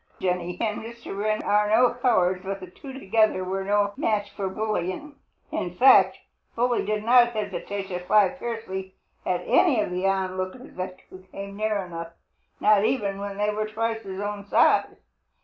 Jenny and Mr. Wren are no cowards, but the two together were no match for Bully. In fact, Bully did not hesitate to fly fiercely at any of the onlookers who came near enough, not even when they were twice his own size.